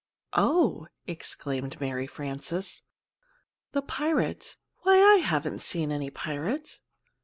"Oh," exclaimed Mary Frances, "the pirate why, I haven't seen any pirate!"